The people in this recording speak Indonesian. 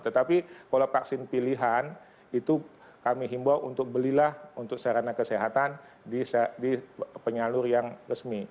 tetapi kalau vaksin pilihan itu kami himbau untuk belilah untuk sarana kesehatan di penyalur yang resmi